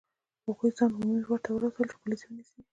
هغوی ځان عمومي واټ ته ورسول چې پولیس یې ونیسي.